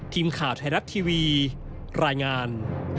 ทีมข่าวไทยรัฐทีวีรายงาน